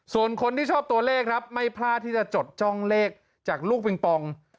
ส่วนคนที่ชอบตัวเลขครับไม่พลาดที่จะจดจ้องเลขจากลูกปิงปอง